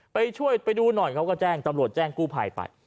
ไปช่วยไปดูหน่อยเขาก็แจ้งตำรวจแจ้งกู้ภัยไป